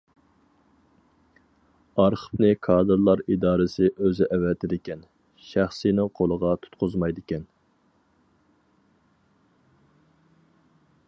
ئارخىپنى كادىرلار ئىدارىسى ئۆزى ئەۋەتىدىكەن، شەخسىينىڭ قولىغا تۇتقۇزمايدىكەن.